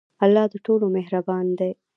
الله د ټولو مهربان دی.